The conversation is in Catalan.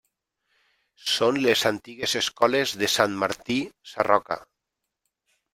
Són les antigues escoles de Sant Martí Sarroca.